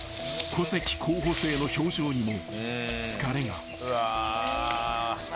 ［小関候補生の表情にも疲れが］